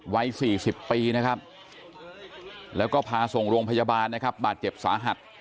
วัย๔๐ปีนะครับแล้วก็พาส่งโรงพยาบาลนะครับบาดเจ็บสาหัส